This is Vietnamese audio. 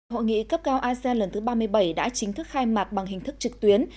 hội nghị cấp cao asean lần thứ ba mươi bảy đã chính thức khai mạc bằng hình thức trực tuyến